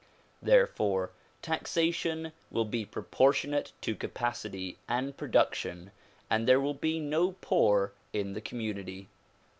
Therefore taxation will be proportionate to capacity and production and there will be no poor in the community.